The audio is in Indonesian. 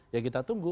ya kita tunggu